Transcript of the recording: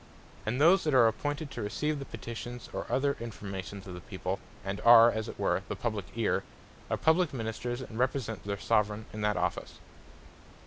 And those that are appointed to receive the Petitions or other informations of the People, and are as it were the publique Eare, are Publique Ministers, and represent their Soveraign in that office.